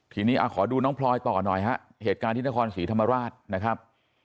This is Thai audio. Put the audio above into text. ทีนี้ขอดูน้องพลอยต่อหน่อยฮะเหตุการณ์ที่นครศรีธรรมราชนะครับ